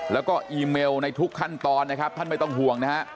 แล้วก็อีเมลในทุกขั้นตอนนะครับท่านไม่ต้องห่วงนะฮะ